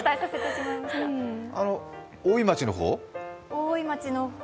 大井町の方？